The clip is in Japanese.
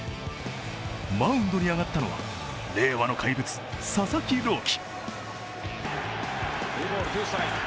マウンドに上がったのは令和の怪物・佐々木朗希。